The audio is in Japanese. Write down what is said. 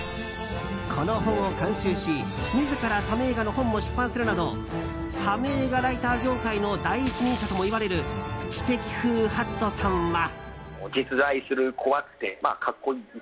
この本を監修し自らサメ映画の本も出版するなどサメ映画ライター業界の第一人者ともいわれる知的風ハットさんは。